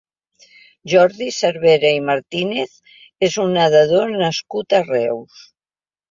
Jordi Cervera i Martínez és un nedador nascut a Reus.